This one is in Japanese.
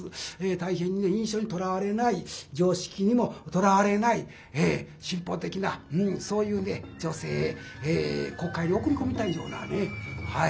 大変にね印象にとらわれない常識にもとらわれない進歩的なそういう女性国会に送り込みたいようなねはい。